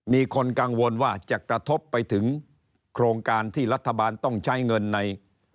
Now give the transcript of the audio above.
มีคนกังวลว่าจะกระทบไปถึงโครงการที่รัฐบาลต้องใช้เงินใน